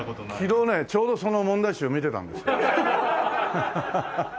昨日ねちょうどその問題集を見てたんですよ。